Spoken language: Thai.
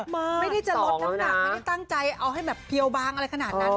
ไม่ได้จะลดน้ำหนักไม่ได้ตั้งใจเอาให้แบบเพียวบางอะไรขนาดนั้น